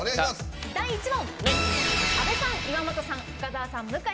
第１問。